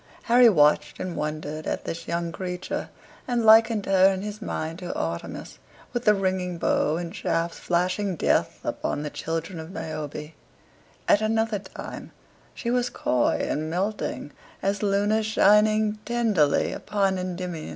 Harry watched and wondered at this young creature, and likened her in his mind to Artemis with the ringing bow and shafts flashing death upon the children of Niobe; at another time she was coy and melting as Luna shining tenderly upon Endymion.